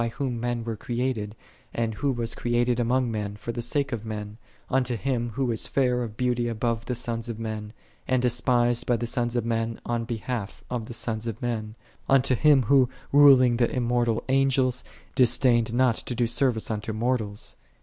I send thee unto the King of Heaven, unto Him, by Whom men were created, and Who was created among men for the sake of men; unto Him, Who is fair of beauty above the sons of men,1 and despised by the sons of men on behalf of the sons of men: unto Him, Who, ruling the immortal angels, dis dained not to do service unto mortals.